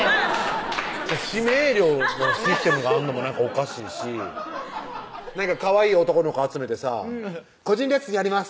指名料のシステムがあんのもなんかおかしいしかわいい男の子集めてさ「個人レッスンやります！」